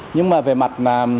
nhưng mà về mặt